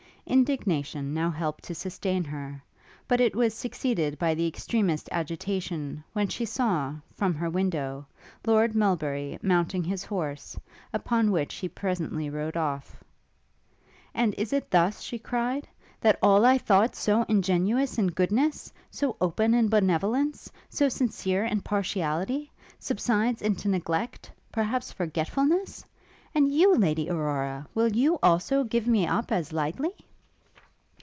Indignation now helped to sustain her; but it was succeeded by the extremest agitation, when she saw, from her window, Lord Melbury mounting his horse, upon which he presently rode off. And is it thus, she cried, that all I thought so ingenuous in goodness, so open in benevolence, so sincere in partiality, subsides into neglect, perhaps forgetfulness? And you, Lady Aurora, will you, also, give me up as lightly?